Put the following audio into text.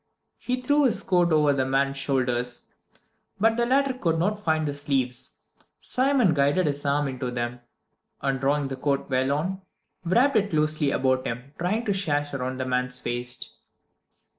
He threw his coat over the man's shoulders, but the latter could not find the sleeves. Simon guided his arms into them, and drawing the coat well on, wrapped it closely about him, tying the sash round the man's waist.